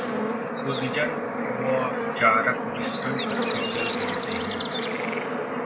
उदजन व जारक मिश्रण करके जल बनते है।